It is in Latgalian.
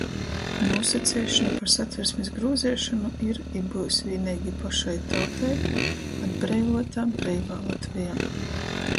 Nūsaceišona par Satversmis grūzeišonu ir i byus vīneigi pošai tautai atbreivuotā, breivā Latvejā.